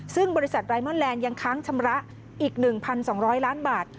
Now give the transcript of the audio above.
ซึ่งบริษัทไรมอนแลนด์ยังค้างชำระอีก๑๒๐๐ล้านบาท